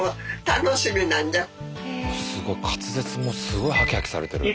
すごい滑舌もすごいハキハキされてる。